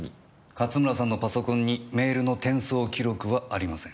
勝村さんのパソコンにメールの転送記録はありません。